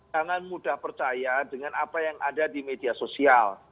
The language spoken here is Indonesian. jangan mudah percaya dengan apa yang ada di media sosial